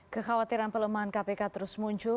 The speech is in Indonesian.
kekhawatiran pelemahan kpk terus muncul